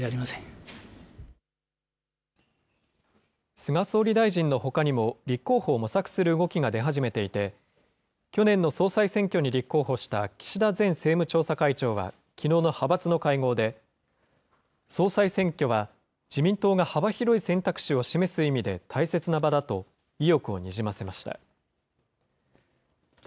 菅総理大臣のほかにも立候補を模索する動きが出始めていて、去年の総裁選挙に立候補した岸田前政務調査会長はきのうの派閥の会合で、総裁選挙は自民党が幅広い選択肢を示す意味で大切な場だと意欲をにじませました。